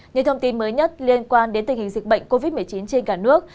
những thông tin mới nhất liên quan đến tình hình dịch bệnh covid một mươi chín trên cả nước